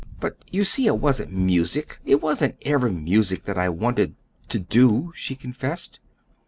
"But you see it wasn't music it wasn't ever music that I wanted to do," she confessed.